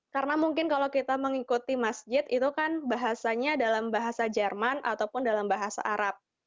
karena mungkin kalau kita mengikuti masjid itu kan bahasanya dalam bahasa jerman ataupun dalam bahasa arab